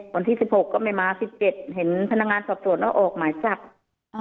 วันที่สิบหกก็ไม่มาสิบเจ็ดเห็นพนักงานสอบสวนแล้วออกหมายจับ